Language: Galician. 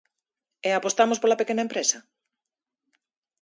¿E apostamos pola pequena empresa?